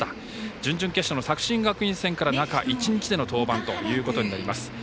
準々決勝の作新学院戦から中１日での登板ということになります。